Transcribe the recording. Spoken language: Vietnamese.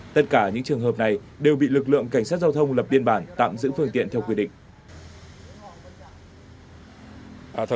tất cả những trường hợp này đều bị lực lượng cảnh sát giao thông lập biên bản tạm giữ phương tiện theo quy định